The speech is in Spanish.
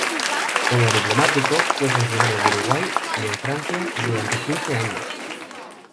Como diplomático, fue funcionario de Uruguay en Francia durante quince años.